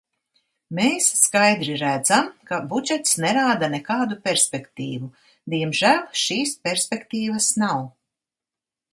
Mēs skaidri redzam, ka budžets nerāda nekādu perspektīvu, diemžēl šīs perspektīvas nav.